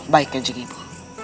baik nenek ibu